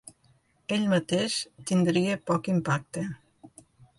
Ell mateix, tindria poc impacte.